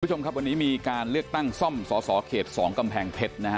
คุณผู้ชมครับวันนี้มีการเลือกตั้งซ่อมสสเขต๒กำแพงเพชรนะฮะ